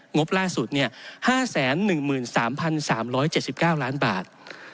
งบล่าสุด๕๑๓๓๗๙ล้านบาท